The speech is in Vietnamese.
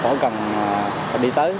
khó cầm phải đi tới